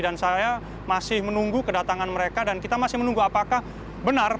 dan saya masih menunggu kedatangan mereka dan kita masih menunggu apakah benar